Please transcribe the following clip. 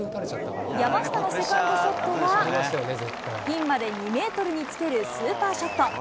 山下のセカンドショットは、ピンまで２メートルにつけるスーパーショット。